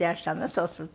そうすると」